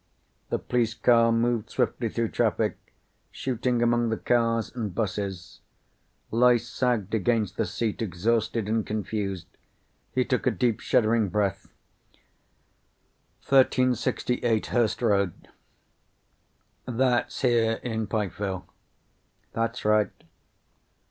The police car moved swiftly through traffic, shooting among the cars and buses. Loyce sagged against the seat, exhausted and confused. He took a deep shuddering breath. "1368 Hurst Road." "That's here in Pikeville?" "That's right."